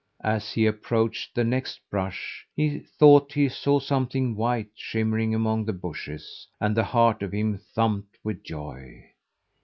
As he approached the next brush, he thought he saw something white shimmering among the bushes, and the heart of him thumped with joy.